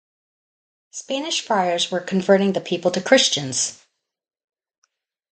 Spanish friars were converting the people to Christians.